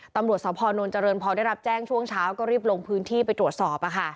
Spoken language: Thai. ตำรวจสพนเจริญพอได้รับแจ้งช่วงเช้าก็รีบลงพื้นที่ไปตรวจสอบ